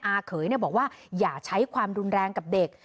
เขยบอกว่าอย่าใช้ความรุนแรงกับเด็ก